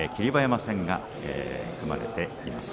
馬山戦が組まれています。